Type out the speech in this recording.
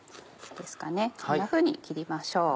こんなふうに切りましょう。